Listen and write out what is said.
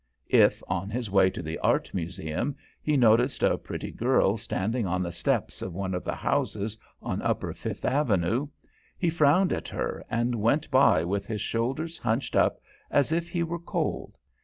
If, on his way to the Art Museum, he noticed a pretty girl standing on the steps of one of the houses on upper Fifth Avenue, he frowned at her and went by with his shoulders hunched up as if he were cold.